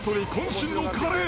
身のカレー。